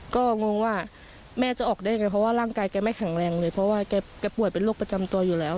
ก็งงว่าแม่จะออกได้ยังไงเพราะว่าร่างกายแกไม่แข็งแรงเลยเพราะว่าแกป่วยเป็นโรคประจำตัวอยู่แล้ว